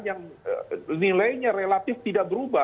yang nilainya relatif tidak berubah